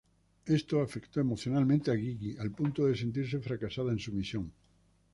Esto afectó emocionalmente a Gigi al punto de sentirse fracasada en su misión.